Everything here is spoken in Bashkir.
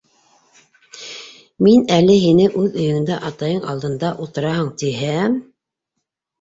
Мин әле һине үҙ өйөңдә, атайың алдында ултыраһың тиһәм...